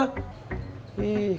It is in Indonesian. ih kamu mah percaya